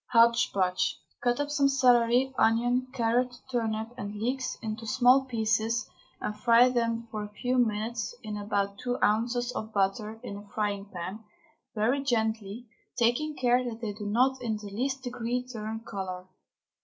HOTCH POTCH. Cut up some celery, onion, carrot, turnip, and leeks into small pieces and fry them for a few minutes in about two ounces of butter in a frying pan, very gently, taking care that they do not in the least degree turn colour.